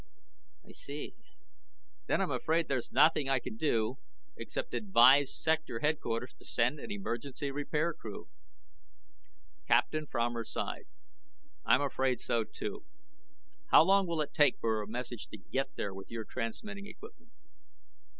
"I see. Then I'm afraid there's nothing I can do except advise Sector Headquarters to send an emergency repair crew." Captain Fromer sighed. "I'm afraid so, too. How long will it take for a message to get there with your transmitting equipment?"